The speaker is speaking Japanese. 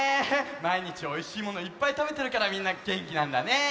まいにちおいしいものいっぱいたべてるからみんなげんきなんだね。